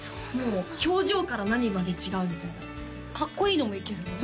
表情から何まで違うみたいなかっこいいのもいけるの？